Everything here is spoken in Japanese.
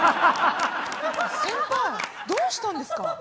先輩どうしたんですか？